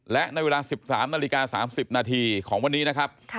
และในเวลา๑๓นาฬิกา๓๐นาทีของวันนี้นะครับ